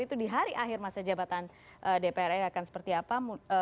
itu di hari akhir masa jabatan dpr ri akan seperti apa